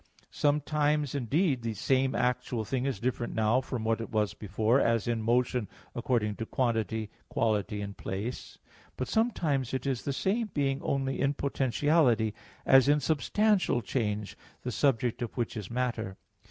Sometimes, indeed, the same actual thing is different now from what it was before, as in motion according to quantity, quality and place; but sometimes it is the same being only in potentiality, as in substantial change, the subject of which is matter.